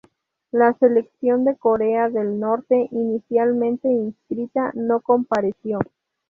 La selección de Corea del Norte, inicialmente inscrita, no compareció.